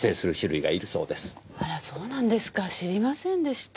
あらそうなんですか知りませんでした。